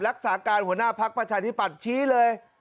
รักษาการหัวหน้าพักประชาณีปัจฉีเลย